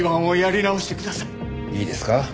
いいですか？